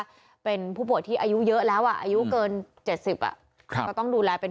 เป็นผู้ป่วยที่อายุเยอะแล้วอ่ะอายุเกิน๗๐อ่ะครับก็ต้องดูแลเป็น